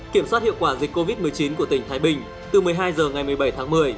kiểm soát hiệu quả dịch covid một mươi chín của tỉnh thái bình từ một mươi hai h ngày một mươi bảy tháng một mươi